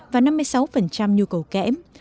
và năm mươi sáu nhu cầu kẽm